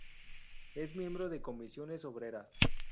Es miembro de Comisiones Obreras.